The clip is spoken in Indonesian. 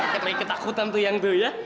kayak naik ketakutan tuh yang tuh ya